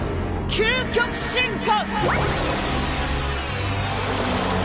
究極進化！